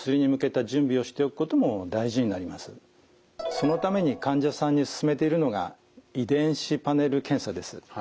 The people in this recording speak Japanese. そのために患者さんに勧めているのが遺伝子パネル検査です。